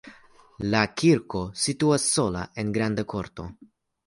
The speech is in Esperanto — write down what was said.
La kirko situas sola en granda korto.